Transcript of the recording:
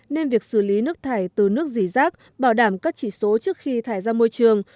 nên việc xử lý nước thải từ nước dỉ rác bảo đảm các chỉ số trước khi thải ra môi trường